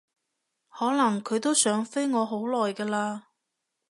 可能佢都想飛我好耐㗎喇